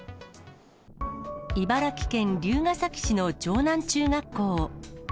茨城県龍ケ崎市の城南中学校。